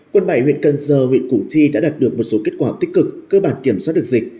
quận bảy huyện cân sơ huyện củ chi đã đạt được một số kết quả tích cực cơ bản kiểm soát được dịch